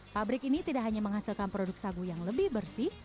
pabrik ini tidak hanya menghasilkan produk sagu yang lebih bersih